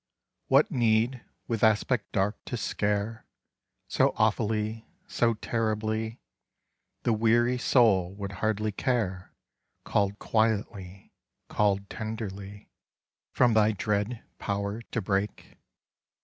What need, with aspect dark, to scare, So awfully, so terribly, The weary soul would hardly care, Called quietly, called tenderly, From thy dread power to break?